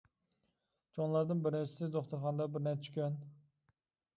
چوڭلاردىن بىر نەچچىسى دوختۇرخانىدا بىرنەچچە كۈن?